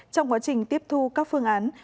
trong quá trình tiếp thu các phương án